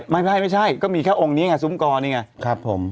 ไม่ใช่ไม่ใช่ก็มีแค่องค์นี้ไงซุ้มกรนี่ไงครับผม